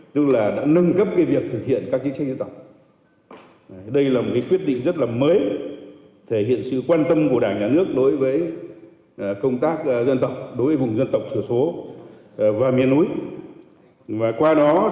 tức là đã nâng lên thành một chương trình mục tiêu quốc gia để thực hiện từ giai đoạn hai nghìn hai mươi một hai nghìn ba mươi